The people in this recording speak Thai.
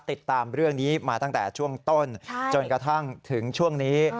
ติดตามเรื่องนี้มาตั้งแต่ช่วงต้นจนกระทั่งถึงช่วงนี้